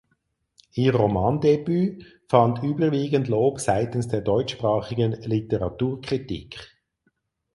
Ihr Romandebüt fand überwiegend Lob seitens der deutschsprachigen Literaturkritik.